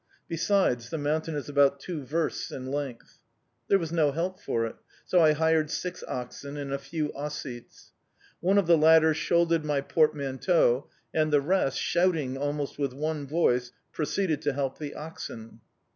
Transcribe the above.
Besides, the mountain is about two versts in length. There was no help for it, so I hired six oxen and a few Ossetes. One of the latter shouldered my portmanteau, and the rest, shouting almost with one voice, proceeded to help the oxen.